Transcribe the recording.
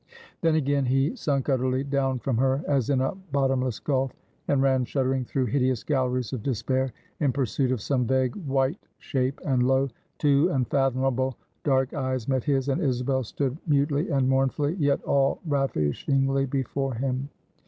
Then again, he sunk utterly down from her, as in a bottomless gulf, and ran shuddering through hideous galleries of despair, in pursuit of some vague, white shape, and lo! two unfathomable dark eyes met his, and Isabel stood mutely and mournfully, yet all ravishingly before him.